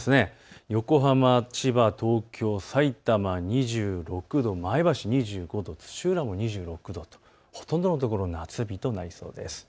横浜、千葉、東京、さいたま２６度、前橋２５度、土浦も２６度とほとんどの所夏日となりそうです。